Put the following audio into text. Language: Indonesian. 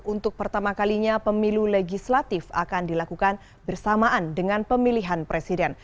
untuk pertama kalinya pemilu legislatif akan dilakukan bersamaan dengan pemilihan presiden